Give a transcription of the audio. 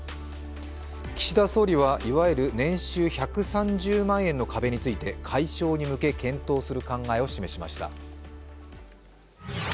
岸田総理は、いわゆる年収１３０万円の壁について解消に向け検討する考えを示しました。